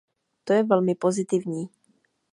To je velmi pozitivní.